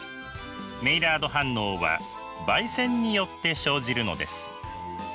メイラード反応は焙煎によって生じるのです。